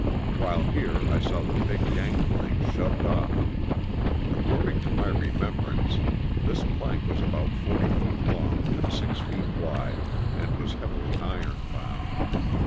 While here I saw the big gang plank shoved olf. According to my remembrance this plank was about forty feet long and six feet wide and was heavily iron bound.